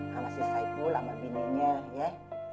sama si saiful sama bininya ya